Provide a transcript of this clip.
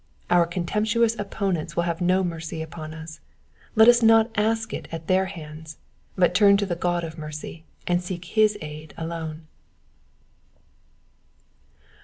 Our contemptuous opponents will have do mercy upon us ; let us not ask it at their hands, but turn to the God of mercy, and seek his aid alone.